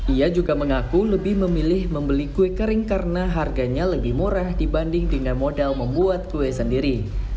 ia juga mengaku lebih memilih membeli kue kering karena harganya lebih murah dibanding dengan modal membuat kue sendiri